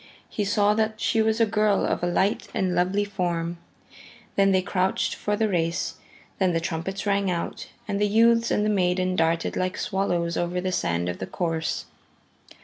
He saw that she was a girl of a light and a lovely form. Then they crouched for the race; then the trumpets rang out, and the youths and the maiden darted like swallows over the sand of the course.